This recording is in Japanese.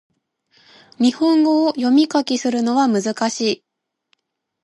日本語を読み書きするのは難しい